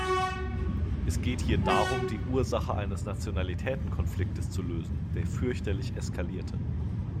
Es geht hier darum, die Ursache eines Nationalitätenkonfliktes zu lösen, der fürchterlich eskalierte.